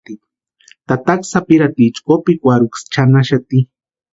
Tataka sapirhaticha kopikwarhuksï chʼanaxati.